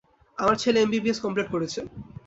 আমার ছেলে MBBS complete করেছে।